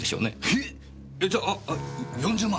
へぇっ！？えじゃあ４０万！？